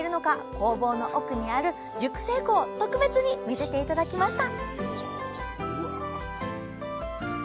工房の奥にある熟成庫を特別に見せて頂きました